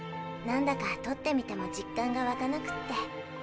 なんだかとってみても実感がわかなくて。